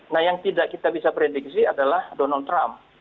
nah yang tidak kita bisa prediksi adalah donald trump